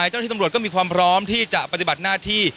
เจ้าหน้าที่ตำรวจก็มีความพร้อมที่จะปฏิบัติหน้าที่